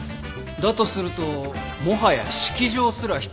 だとするともはや式場すら必要ないのでは？